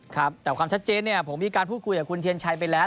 ครับแต่ความชัดเจนเนี่ยผมมีการพูดคุยกับคุณเทียนชัยไปแล้ว